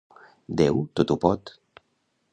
Déu tot ho pot.